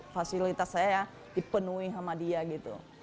fasilitas saya ya dipenuhi sama dia gitu